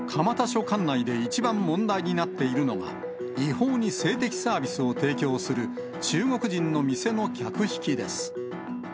署管内で一番問題になっているのが、違法に性的サービスを提供する中国人の店の客引きです。